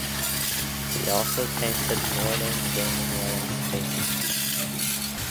He also painted northern German landscapes.